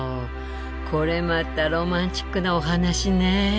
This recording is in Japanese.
これまたロマンチックなお話ね。